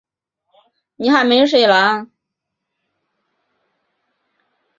这一手棋震惊了全世界的棋手。